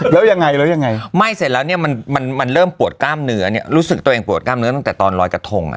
แล้วยังไงแล้วยังไงไหม้เสร็จแล้วเนี่ยมันมันเริ่มปวดกล้ามเนื้อเนี่ยรู้สึกตัวเองปวดกล้ามเนื้อตั้งแต่ตอนรอยกระทงอ่ะ